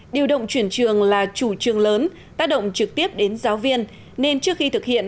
điều động chuyển trường là chủ trương lớn tác động trực tiếp đến giáo viên nên trước khi thực hiện